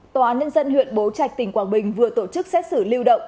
tòa án nhân dân huyện bố trạch tỉnh quảng bình vừa tổ chức xét xử lưu động